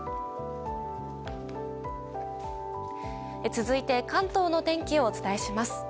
続いて関東の天気をお伝えします。